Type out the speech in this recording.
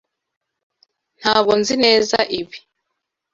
Ntabwo nzi neza ibi.